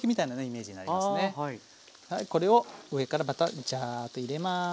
これを上からまたジャーッと入れます。